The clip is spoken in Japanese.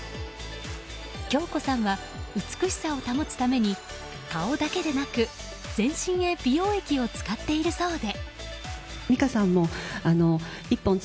恭子さんは美しさを保つために顔だけでなく全身へ美容液を使っているそうで。